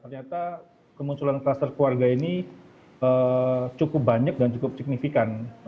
ternyata kemunculan kluster keluarga ini cukup banyak dan cukup signifikan